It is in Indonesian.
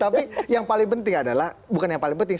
tapi yang paling penting adalah bukan yang paling penting